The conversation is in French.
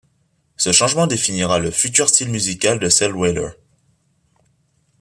Ce changement définira le futur style musical de Celldweller.